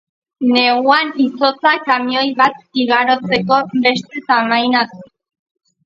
Neguan, izotza kamioi bat igarotzeko beste tamaina du.